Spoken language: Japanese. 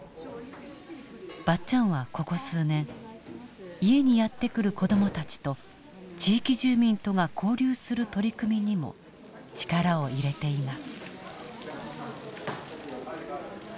ばっちゃんはここ数年家にやって来る子どもたちと地域住民とが交流する取り組みにも力を入れています。